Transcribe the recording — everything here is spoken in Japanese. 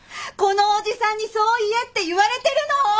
このおじさんにそう言えって言われてるの！？